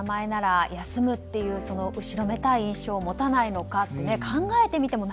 どういった名前なら休むという後ろめたい印象を持たないのか。